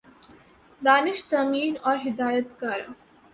دانش تیمور اور ہدایت کارہ